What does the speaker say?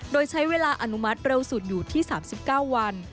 โดยใช้เวลาอนุมัติเร็วสุดอยู่ที่๓๙วัน